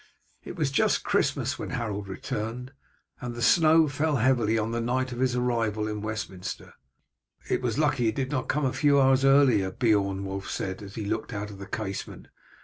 It was just Christmas when Harold returned, and the snow fell heavily on the night of his arrival at Westminster. "It was lucky it did not come a few hours earlier, Beorn," Wulf said, as he looked out of the casement.